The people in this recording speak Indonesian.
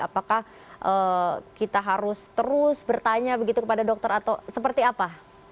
apakah kita harus terus bertanya begitu kepada dokter atau seperti apa